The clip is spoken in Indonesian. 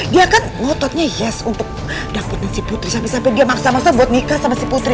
dia kan ngototnya hias untuk dapetin si putri sampai sampai dia maksa maksa buat nikah sama si putri